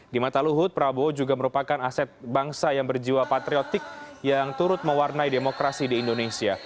di mata luhut prabowo juga merupakan aset bangsa yang berjiwa patriotik yang turut mewarnai demokrasi di indonesia